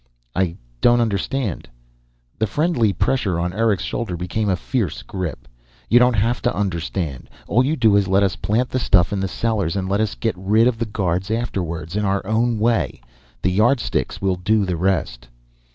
"I don't understand." The friendly pressure on Eric's shoulder became a fierce grip. "You don't have to understand. All you do is let us plant the stuff in the cellars and let us get rid of the guards afterwards in our own way. The Yardsticks will do the rest."